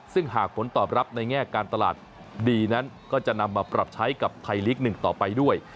ซึ่งหากผลตอบรับในแง่การตลาดดีนั้นก็จะนำมาปรับใช้กับไทยลีก๑ต่อไปด้วย